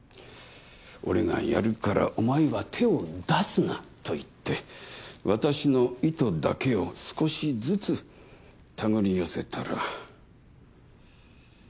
俺がやるからお前は手を出すなと言って私の糸だけを少しずつ手繰り寄せたら。